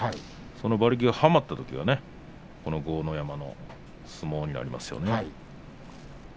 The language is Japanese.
馬力がはまったときが豪ノ山の相撲になりますね。